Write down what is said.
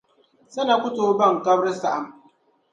Sana ku tooi baŋ kabira saɣim.